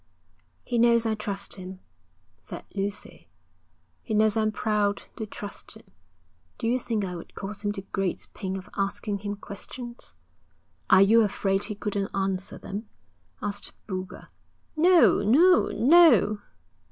'He knows I trust him,' said Lucy. 'He knows I'm proud to trust him. Do you think I would cause him the great pain of asking him questions?' 'Are you afraid he couldn't answer them?' asked Boulger. 'No, no, no.'